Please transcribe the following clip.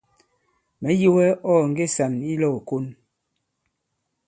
Mɛ̀ yi wɛ ɔ̂ ɔ̀ nge sàn i lɔ̄w ìkon.